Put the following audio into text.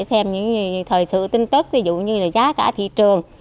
xem những thời sự tin tức ví dụ như là giá cả thị trường